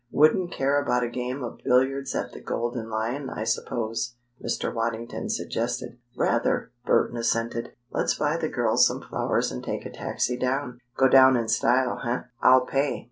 "Wouldn't care about a game of billiards at the Golden Lion, I suppose?" Mr. Waddington suggested. "Rather!" Burton assented. "Let's buy the girls some flowers and take a taxi down. Go down in style, eh? I'll pay." Mr.